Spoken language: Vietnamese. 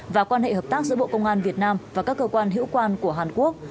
và quan hệ hợp tác giữa bộ công an việt nam và các cơ quan hữu quan của hàn quốc